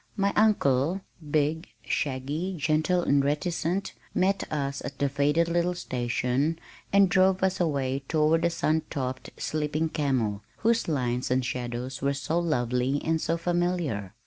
My uncle, big, shaggy, gentle and reticent, met us at the faded little station and drove us away toward the sun topped "sleeping camel" whose lines and shadows were so lovely and so familiar.